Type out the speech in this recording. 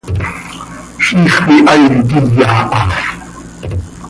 Ziix cöihaai quiya ha.